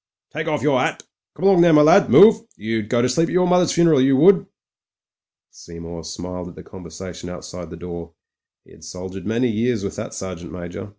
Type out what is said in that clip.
"Take off your 'at. Come along there, my lad — move. You'd go to sleep at your mother's funeral — ^you would." Seymour smiled at the conversation outside the door; he had soldiered many years with that Sergeant Major.